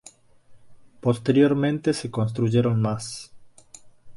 Posteriormente se construyeron más.